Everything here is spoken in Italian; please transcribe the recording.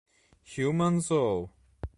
Human Zoo